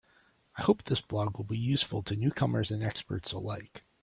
I hope this blog will be useful to newcomers and experts alike.